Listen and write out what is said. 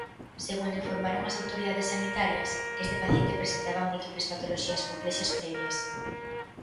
Segundo informaron as autoridades sanitarias, este paciente presentaba múltiples patoloxías complexas previas.